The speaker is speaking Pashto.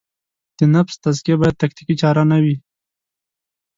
د نفس تزکیه باید تکتیکي چاره نه وي.